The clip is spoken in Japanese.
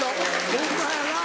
ホンマやな。